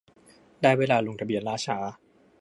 ได้เวลาลงทะเบียน ล่าช้า